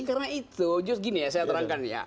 karena itu just gini ya saya terangkan ya